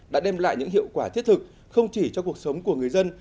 đã đem lại những hiệu quả thiết thực không chỉ cho cuộc sống của người dân